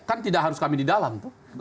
kan tidak harus kami di dalam tuh